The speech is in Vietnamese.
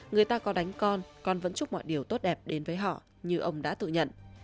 người ta có đánh con con vẫn chúc mọi điều tốt đẹp đến với họ như ông đã tự nhận